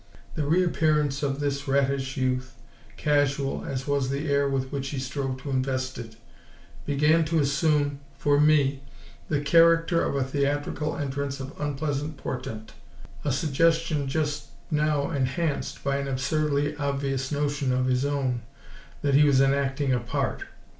The reappearance of this rattish youth, casual as was the air with which he strove to invest it, began to assume, for me, the character of a theatrical entrance of unpleasant portent a suggestion just now enhanced by an absurdly obvious notion of his own that he was enacting a part.